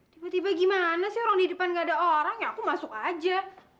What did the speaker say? tiba tiba gimana sih orang di depan gak ada orang ya aku masuk aja